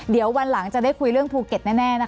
เดี๋ยววันหลังจะได้คุยเรื่องภูเก็ตแน่นะคะ